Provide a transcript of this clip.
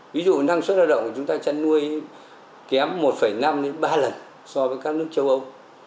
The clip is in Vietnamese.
ví dụ năng suất lao động của chúng ta chăn nuôi kém một năm ba lần so với các nước châu âu